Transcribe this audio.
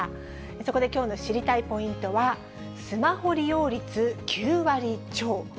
そこできょうの知りたいポイントは、スマホ利用率９割超。